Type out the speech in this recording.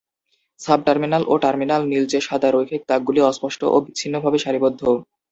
Sub-terminal ও terminal নীলচে সাদা রৈখিক দাগগুলি অস্পষ্ট ও বিচ্ছিন্নভাবে সারিবদ্ধ।